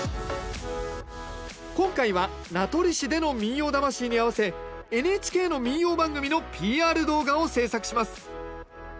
今回は名取市での「民謡魂」に合わせＮＨＫの民謡番組のＰＲ動画を制作します。